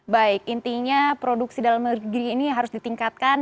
baik intinya produksi dalam negeri ini harus ditingkatkan